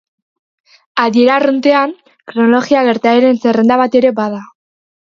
Adiera arruntean, kronologia gertaeren zerrenda bat ere bada.